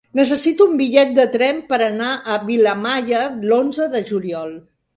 Necessito un bitllet de tren per anar a Vilamalla l'onze de juliol.